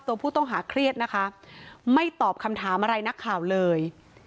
ตัวผู้ต้องหาเครียดนะคะไม่ตอบคำถามอะไรนักข่าวเลย